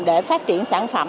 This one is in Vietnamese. để phát triển sản phẩm